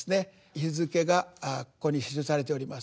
日付がここに記されております。